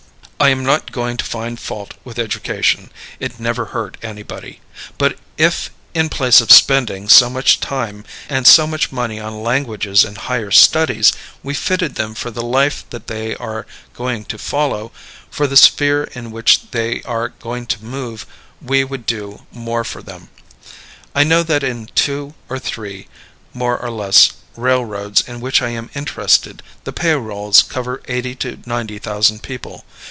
I am not going to find fault with education; it never hurt anybody. But if, in place of spending so much time and so much money on languages and higher studies, we fitted them for the life that they are going to follow, for the sphere in which they are going to move, we would do more for them. I know that in two or three, more or less, railroads in which I am interested, the pay rolls cover eighty to ninety thousand people.